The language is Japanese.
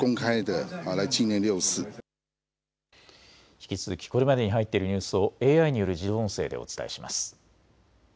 引き続きこれまでに入っているニュースをＡＩによる自動音声でお伝えします。